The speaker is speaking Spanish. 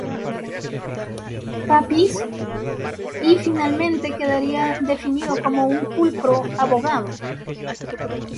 Papis, y que finalmente quedaría definido como un pulcro abogado.